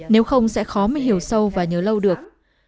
nếu không sẽ khó mới hiểu sâu và nhớ lâu được